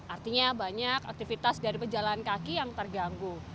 artinya banyak aktivitas dari pejalan kaki yang terganggu